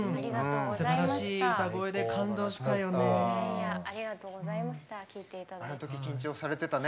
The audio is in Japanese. すばらしい歌声で感動したよね。